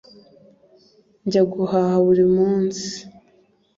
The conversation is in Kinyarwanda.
njya guhaha buri munsi